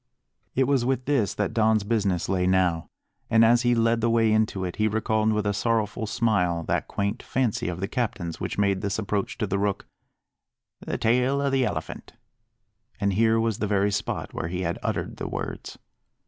It was with this that Don's business lay now; and as he led the way into it he recalled with a sorrowful smile that quaint fancy of the captain's which made this approach to the Rook "the tail o' the Elephant." And here was the very spot where he had uttered the words.